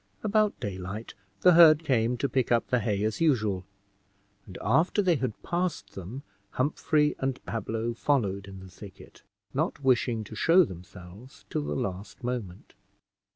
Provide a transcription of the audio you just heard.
About daylight, the herd came to pick up the hay as usual, and after they had passed them Humphrey and Pablo followed in the thicket, not wishing to show themselves till the last moment.